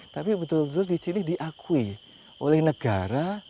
tapi betul betul di sini diakui oleh negara